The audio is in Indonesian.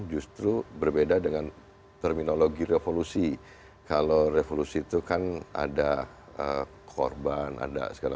justru berbeda dengan terminologi revolusi kalau revolusi itu kan ada korban ada segala